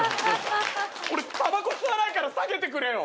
俺たばこ吸わないから下げてくれよ。